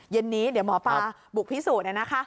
เย็นนี้เดี๋ยวหมอปลาบุกพิสูจน์